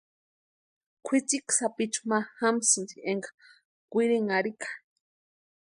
Kwʼitsiki sapichu ma jamsïnti énka kwirinharhika.